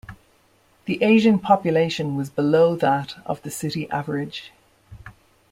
The Asian population was below that of the city average.